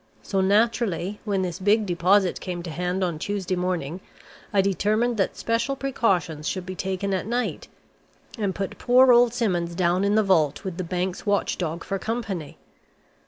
So, naturally, when this big deposit came to hand on Tuesday morning, I determined that special precautions should be taken at night, and put poor old Simmons down in the vault with the bank's watchdog for company.